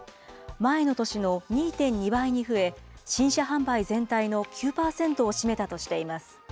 前の年の２．２倍に増え、新車販売全体の９％を占めたとしています。